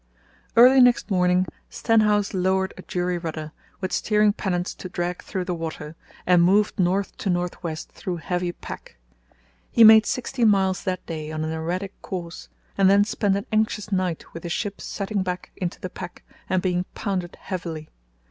Early next morning Stenhouse lowered a jury rudder, with steering pennants to drag through the water, and moved north to north west through heavy pack. He made sixteen miles that day on an erratic course, and then spent an anxious night with the ship setting back into the pack and being pounded heavily.